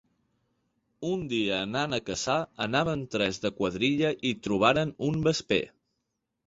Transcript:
Un dia anant a caçar anaven tres de quadrilla i trobaren un vesper.